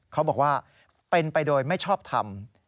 เขาบอกว่าเป็นไปโดยไม่ชอบทำ